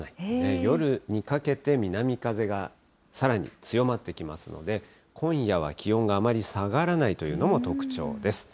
夜にかけて、南風がさらに強まってきますので、今夜は気温があまり下がらないというのも特徴です。